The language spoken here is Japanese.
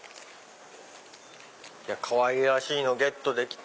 かわいらしいのゲットできた。